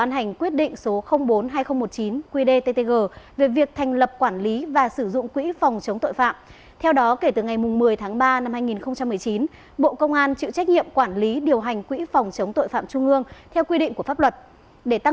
hãy đăng ký kênh để nhận thông tin nhất